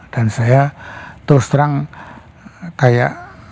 saya terus terang kayak